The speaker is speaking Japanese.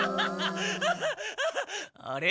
あれ？